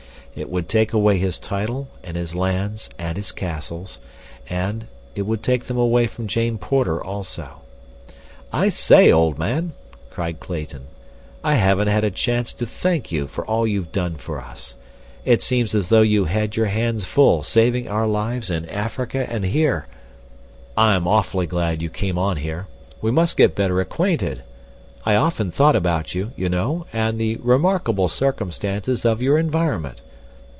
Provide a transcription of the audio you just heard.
It would take away his title and his lands and his castles, and—it would take them away from Jane Porter also. "I say, old man," cried Clayton, "I haven't had a chance to thank you for all you've done for us. It seems as though you had your hands full saving our lives in Africa and here. "I'm awfully glad you came on here. We must get better acquainted. I often thought about you, you know, and the remarkable circumstances of your environment.